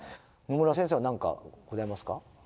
野村先生は何かございますか？